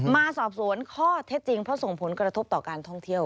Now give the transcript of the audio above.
มาสอบสวนข้อเท็จจริงเพราะส่งผลกระทบต่อการท่องเที่ยว